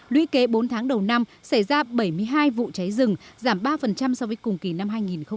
luy kế bốn tháng đầu năm xảy ra bảy mươi hai vụ cháy rừng giảm ba so với cùng kỳ năm hai nghìn một mươi chín